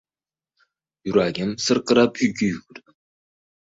Yuragim sirqirab uyga yugurdim.